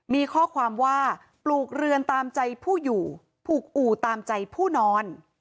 มีข้อความว่าปลูกเรือนตามใจผู้อยู่ผูกอู่ตามใจผู้นอน